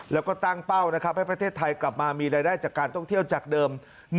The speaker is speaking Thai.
แล้วก็ตั้งเป้านะครับให้ประเทศไทยกลับมามีรายได้จากการท่องเที่ยวจากเดิม